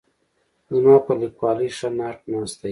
زما پر لیکوالۍ ښه ناټ ناست دی.